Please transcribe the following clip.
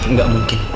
nggak mungkin ibu